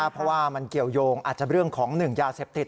เพราะว่ามันเกี่ยวยงอาจจะเรื่องของหนึ่งยาเสพติด